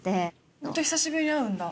ホント久しぶりに会うんだ。